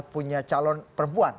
punya calon perempuan